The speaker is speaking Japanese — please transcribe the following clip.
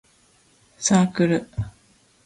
サークル